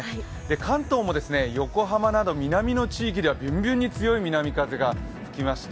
関東も横浜など南の地域ではびゅんびゅんに強い風が吹きました。